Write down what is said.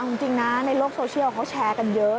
เอาจริงนะในโลกโซเชียลเขาแชร์กันเยอะ